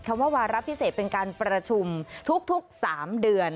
ว่าวาระพิเศษเป็นการประชุมทุก๓เดือน